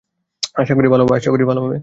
আশা করি ভালো হবে।